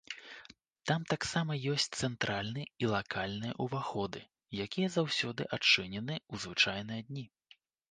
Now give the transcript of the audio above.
Там таксама ёсць цэнтральны і лакальныя ўваходы, якія заўсёды адчынены ў звычайныя дні.